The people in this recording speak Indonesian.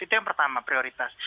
itu yang pertama prioritas